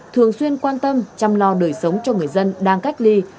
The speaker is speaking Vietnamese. thường xuyên quan tâm chăm lo đời sống cho người dân đang cách ly